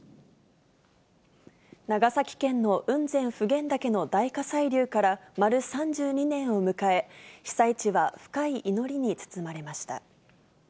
長崎県の雲仙普賢岳の大火砕流から丸３２年を迎え、被災地は深い祈りに包まれました。